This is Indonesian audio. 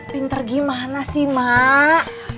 pinter gimana sih emak